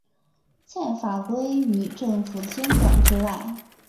在法规与政府监管之外。